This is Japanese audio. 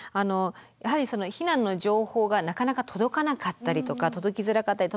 やはり避難の情報がなかなか届かなかったりとか届きづらかったり